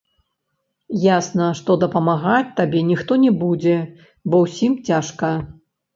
Ясна, што дапамагаць табе ніхто не будзе, бо ўсім цяжка.